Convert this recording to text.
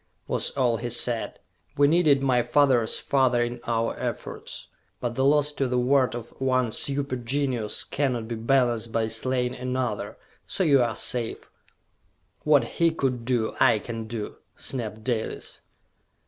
was all he said. "We needed my father's father in our efforts! But the loss to the world of one super genius cannot be balanced by slaying another so you are safe! "What he could do, I can do!" snapped Dalis.